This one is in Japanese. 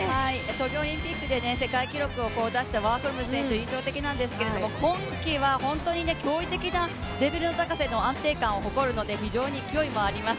東京オリンピックで世界記録を出したワーホルム選手が印象的なんですけど、今季は驚異的なレベルの高さでの安定感を誇るので非常に勢いもあります。